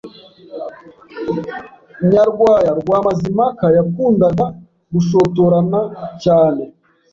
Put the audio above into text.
Nyarwaya rwa Mazimpaka yakundaga gushotorana cyane